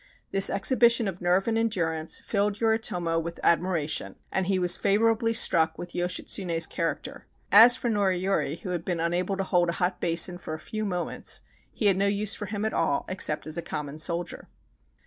This exhibition of nerve and endurance filled Yoritomo with admiration, and he was favorably struck with Yoshitsune's character. As for Noriyori, who had been unable to hold a hot basin for a few moments, he had no use for him at all, except as a common soldier.